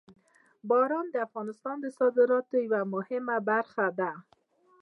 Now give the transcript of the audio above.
باران د افغانستان د صادراتو یوه مهمه برخه ده.